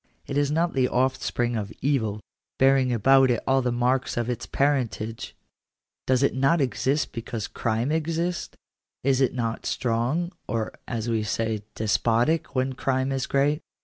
Is it not the offspring of evil, bearing; about it all the marks of its parentage ? Does it not exist because crime exists ? Is it not strong, or, as we say, despotic, when crime is great